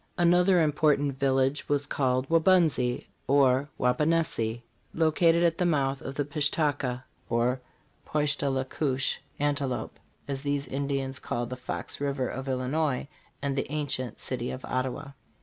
Another important village was called Waubunsee (or Wauponehsee), located at the mouth of the Pish ta ka (or Poish tah le koosh : antelope), as these Ind ians called the Fox river of Illinois, and the ancient city of Ottawa.